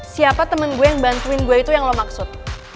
siapa temen gue yang bantuin gue itu yang lo maksud